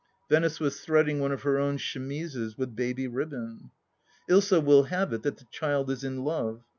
Venice was threading one of her own chemises with baby ribbon 1 Ilsa will have it that the child is in love